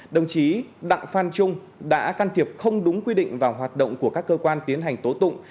đồng chí đặng phan trung đã can thiệp không đúng quy định vào hoạt động của các cơ quan tiến hành tố tụng